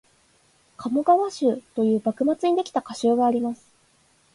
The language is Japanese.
「鴨川集」という幕末にできた歌集があります